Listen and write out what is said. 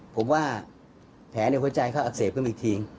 แผลในหัวใจเขาอักเสบกันอีกที